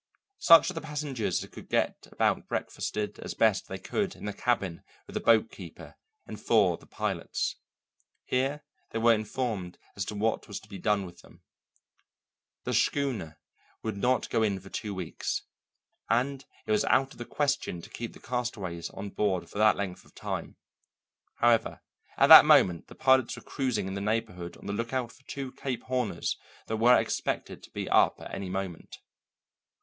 Such of the passengers as could get about breakfasted as best they could in the cabin with the boatkeeper and four of the pilots. Here they were informed as to what was to be done with them. The schooner would not go in for two weeks, and it was out of the question to keep the castaways on board for that length of time. However, at that moment the pilots were cruising in the neighbourhood on the lookout for two Cape Horners that were expected to be up at any moment.